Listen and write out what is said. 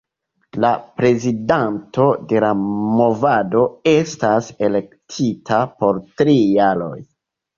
La prezidanto de la movado estas elektita por tri jaroj.